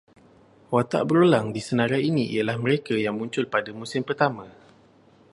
Watak berulang di senarai ini ialah mereka yang muncul pada musim pertama